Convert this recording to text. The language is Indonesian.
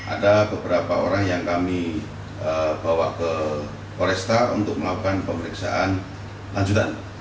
ada beberapa orang yang kami bawa ke koresta untuk melakukan pemeriksaan lanjutan